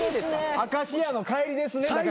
『明石家』の帰りですね。